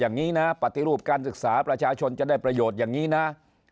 อย่างนี้นะปฏิรูปการศึกษาประชาชนจะได้ประโยชน์อย่างนี้นะ